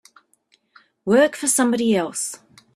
Work for somebody else.